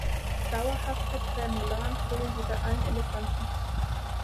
Dauerhafte Prämolaren fehlen wie bei allen Elefanten.